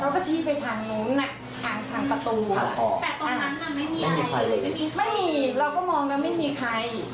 แล้วนึกใครเดินลงมา